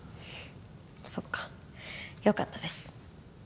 そっかよかったです